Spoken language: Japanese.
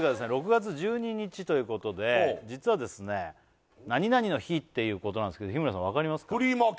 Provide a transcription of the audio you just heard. ６月１２日ということで実はですね○○の日っていうことなんですけど日村さんわかりますか？